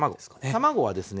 卵はですね